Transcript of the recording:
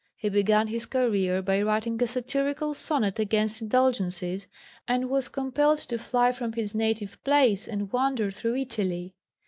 He began his career by writing a satirical sonnet against indulgences, and was compelled to fly from his native place and wander through Italy.